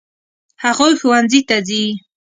هغوی ښوونځي ته ځي.